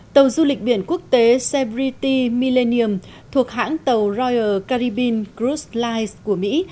tàu du lịch biển quốc tế severity millennium thuộc hãng tàu royal caribbean cruise lines của mỹ